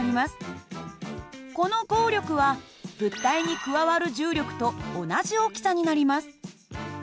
この合力は物体に加わる重力と同じ大きさになります。